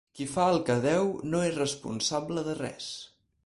Qui fa el que deu no és responsable de res.